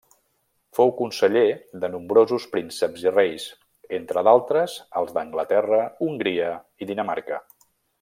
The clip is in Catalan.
Fou conseller de nombrosos prínceps i reis, entre d'altres els d'Anglaterra, Hongria i Dinamarca.